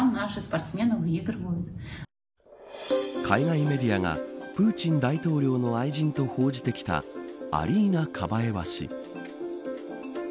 海外メディアがプーチン大統領の愛人と報じてきたアリーナ・カバエワ氏。